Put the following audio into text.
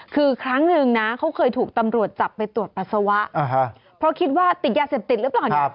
คือครั้งหนึ่งนะเขาเคยถูกตำรวจจับไปตรวจปัสสาวะเพราะคิดว่าติดยาเสพติดหรือเปล่าเนี่ย